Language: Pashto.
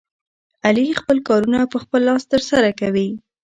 علي خپل کارونه په خپل لاس ترسره کوي.